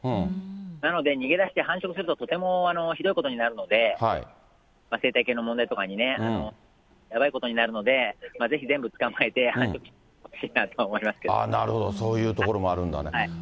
なので、逃げ出して繁殖するととてもひどいことになるので、生態系の問題とかにね、やばいことになるので、ぜひ全部捕まえて、なるほど、そういうところもあるんだね。